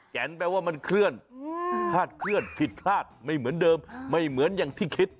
นแปลว่ามันเคลื่อนคาดเคลื่อนผิดพลาดไม่เหมือนเดิมไม่เหมือนอย่างที่คิด